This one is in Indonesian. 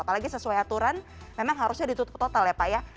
apalagi sesuai aturan memang harusnya ditutup total ya pak ya